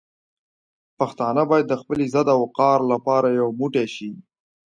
پښتانه باید د خپل عزت او وقار لپاره یو موټی شي.